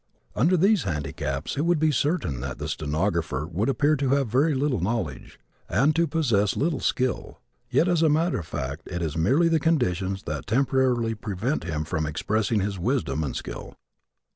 Under these handicaps it would be certain that the stenographer would appear to have very little knowledge and to possess little skill. Yet as a matter of fact it is merely the conditions that temporarily prevent him from expressing his wisdom and skill.